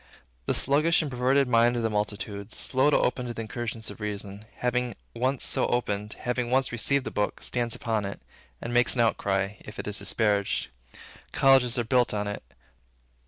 The sluggish and perverted mind of the multitude, slow to open to the incursions of Reason, having once so opened, having once received this book, stands upon it, and makes an outcry, if it is disparaged. Colleges are built on it.